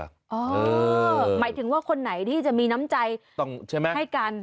เออหมายถึงว่าคนไหนที่จะมีน้ำใจให้กัน